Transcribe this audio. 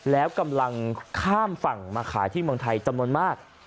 แล้วกำลังข้ามฝั่งมาขายที่เมืองไทยจำนวนมาก